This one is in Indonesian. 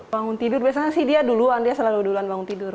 bangun tidur biasanya sih dia duluan dia selalu duluan bangun tidur